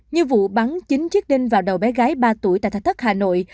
như vụ bắn chín chiếc đinh vào đầu bé gái ba tuổi tại thạch thất hà nội